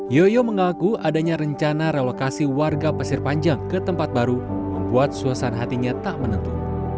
yoyo mengaku adanya rencana relokasi warga pasir panjang ke tempat baru membuat suasana hatinya tak menentu